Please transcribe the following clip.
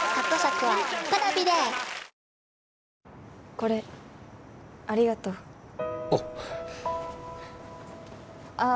これありがとうおうああ